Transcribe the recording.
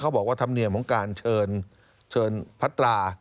บอกว่าธรรมเนียมของการเชิญพัตรา